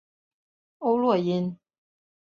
欧络因。